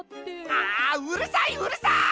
あうるさいうるさい！